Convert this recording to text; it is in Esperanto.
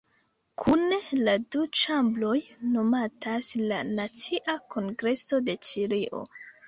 Kune la du ĉambroj nomatas la "Nacia Kongreso de Ĉilio".